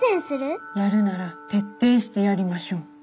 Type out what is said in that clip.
やるなら徹底してやりましょう。